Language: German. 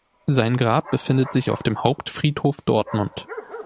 Sein Grab befindet sich auf dem Hauptfriedhof Dortmund.